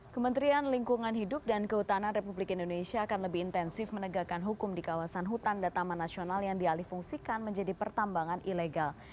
kementerian lingkungan hidup dan kehutanan republik indonesia akan lebih intensif menegakkan hukum di kawasan hutan dan taman nasional yang dialih fungsikan menjadi pertambangan ilegal